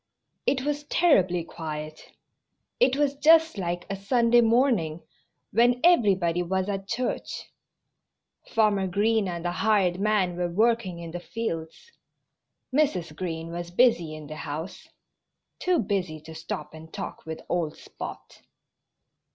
It was terribly quiet. It was just like a Sunday morning, when everybody was at church. Farmer Green and the hired man were working in the fields. Mrs. Green was busy in the house too busy to stop and talk with old Spot.